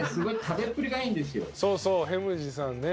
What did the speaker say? そうそうヘムジさんね。